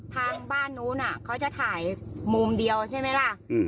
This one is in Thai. ทางบ้านนู้นเขาจะถ่ายมุมเดียวใช่ไหมล่ะ